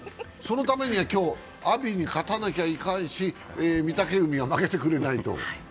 そのためには今日、阿炎に勝たなきゃいかんし、御嶽海が負けてくれないと。